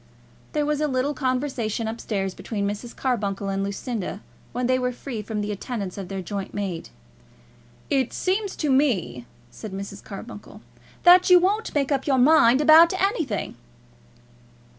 There was a little conversation up stairs between Mrs. Carbuncle and Lucinda, when they were free from the attendance of their joint maid. "It seems to me," said Mrs. Carbuncle, "that you won't make up your mind about anything."